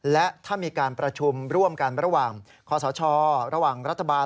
และถ้ามีการประชุมร่วมกันระหว่างคศระหว่างรัฐบาล